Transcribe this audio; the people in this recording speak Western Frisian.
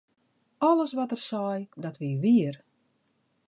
Alles wat er sei, dat wie wier.